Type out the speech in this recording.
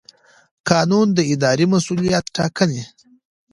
قانون د ادارې مسوولیت ټاکي.